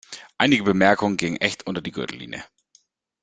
Einige Bemerkungen gingen echt unter die Gürtellinie.